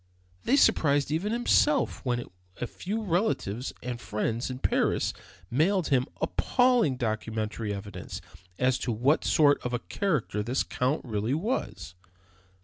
They surprised even himself when a few relatives and friends in Paris mailed him appalling documentary evidence as to what sort of a character this Count really was.